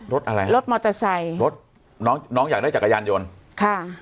รถอะไรรถมอเตอร์ไซค์รถน้องน้องอยากได้จักรยานยนต์ค่ะ